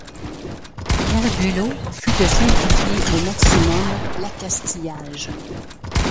Herbulot fut de simplifier au maximum l'accastillage.